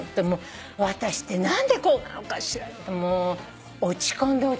私って何でこうなのかしらって落ち込んで落ち込んで。